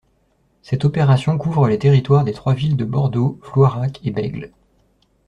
Cette opération couvre les territoires des trois villes de Bordeaux, Floirac et Bègles...